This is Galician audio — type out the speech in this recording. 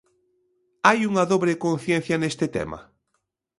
Hai unha dobre conciencia neste tema?